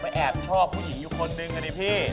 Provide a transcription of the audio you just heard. ผมไปแอบชอบผู้หญิงอยู่คนนึงนี่พี่